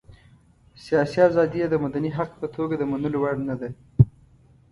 سياسي ازادي یې د مدني حق په توګه د منلو وړ نه ده.